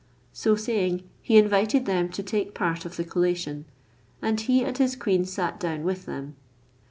So saying he invited them to take part of the collation, and he and his queen sat down with them.